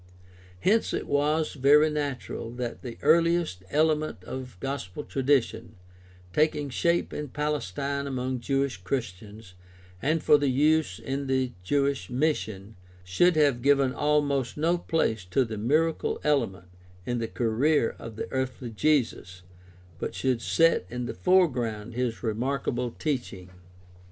Hence it was very natural that the earhest element of gospel tradition, taking shape in Palestine among Jewish Christians and for use in the Jewish mission, should have given almost no place to the miracle element in the career of the earthly Jesus, but should set in the foreground his remarkable teaching.